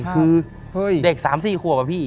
คือเด็ก๓๔ขวบอะพี่